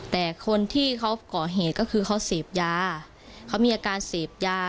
แต่คนที่เขาก่อเหตุก็คือเขาเสพยาเขามีอาการเสพยา